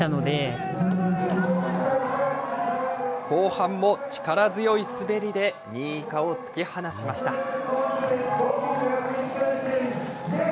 後半も力強い滑りで２位以下を突き放しました。